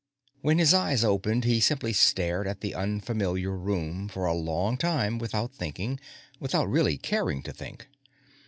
When his eyes opened, he simply stared at the unfamiliar room for a long time without thinking without really caring to think.